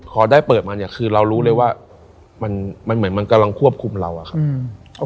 พอได้เปิดมาเนี่ยคือเรารู้เลยว่ามันเหมือนมันกำลังควบคุมเราอะครับ